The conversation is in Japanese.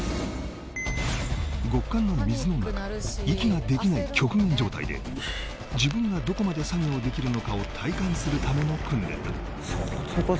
極寒の水の中息ができない極限状態で自分がどこまで作業できるのかを体感するための訓練だ